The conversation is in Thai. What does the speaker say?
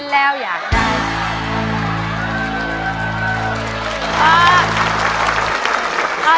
ไม่แล้วอยากได้